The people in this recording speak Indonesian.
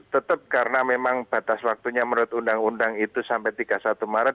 tetap karena memang batas waktunya menurut undang undang itu sampai tiga puluh satu maret